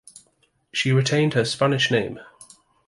She retained her Spanish name.